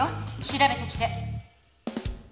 調べてきて！